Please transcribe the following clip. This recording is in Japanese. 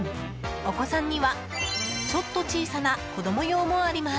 お子さんにはちょっと小さな子供用もあります。